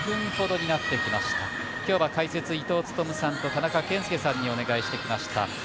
今日は解説、伊東勤さんと田中賢介さんにお願いしてきました。